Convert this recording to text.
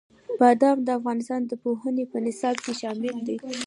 بادام د افغانستان د پوهنې په نصاب کې شامل دي.